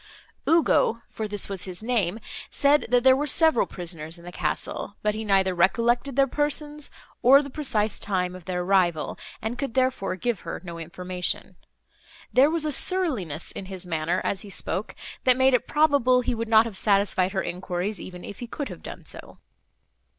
Ugo, for this was his name, said, that there were several prisoners in the castle, but he neither recollected their persons, nor the precise time of their arrival, and could therefore give her no information. There was a surliness in his manner, as he spoke, that made it probable he would not have satisfied her enquiries, even if he could have done so.